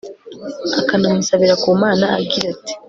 akanamusabira ku mana, agira ati